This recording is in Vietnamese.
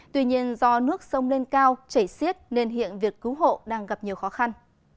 tuy nhiên do nước sông lên cao chảy xiết nên hiện việc cứu hộ đang gặp nhiều khó khăn